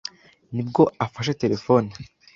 Ni bwo afashe telefoni